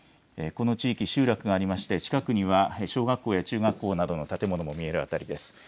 この地域、集落がありまして近くには小学校や中学校などの建物も見える辺りです。